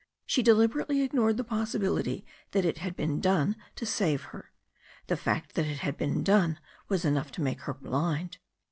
She deliberately ignored the possibility that it had been done to save her. The fact that it had been done was enough to make her blind.